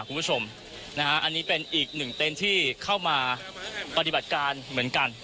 คุณผู้ชมนะฮะอันนี้เป็นอีกหนึ่งเต็นต์ที่เข้ามาปฏิบัติการเหมือนกัน